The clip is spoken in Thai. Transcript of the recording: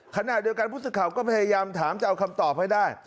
ขณะเดียวกันผู้สื่อข่าวก็พยายามถามจะเอาคำตอบให้ได้